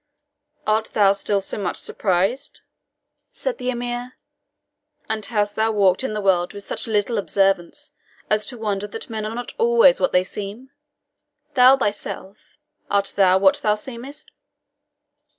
"Art thou still so much surprised," said the Emir, "and hast thou walked in the world with such little observance, as to wonder that men are not always what they seem? Thou thyself art thou what thou seemest?"